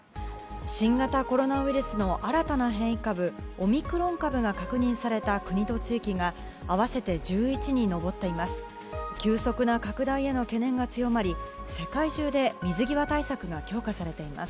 新型コロナウイルスの新たな変異株、オミクロン株が確認された国と地域が合わせて１１に上っています。